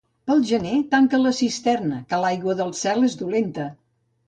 Pel gener, tanca la cisterna, que l'aigua del cel és dolenta.